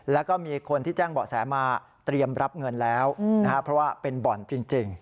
แล้วก็มีคนที่แจ้งเบาะแสมาเตรียมรับเงินแล้วนะครับเพราะว่าเป็นบ่อนจริง